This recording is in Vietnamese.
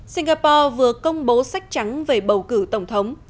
singapore vừa công bố sách trắng về bầu cử tổng thống